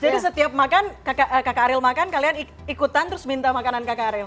jadi setiap kakak ariel makan kalian ikutan terus minta makanan kakak ariel